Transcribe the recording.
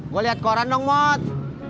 gue liat koran dong mod